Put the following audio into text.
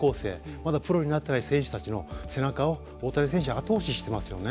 まだプロになっていない選手たちの背中を大谷選手が後押ししていますよね。